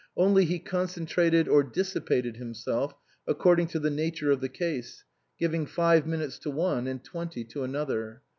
Only he concen trated or dissipated himself according to the nature of the case, giving five minutes to one and twenty to another.